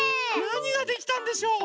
なにができたんでしょう？